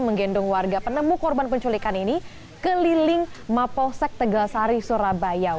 menggendong warga penemu korban penculikan ini keliling mapolsek tegasari surabaya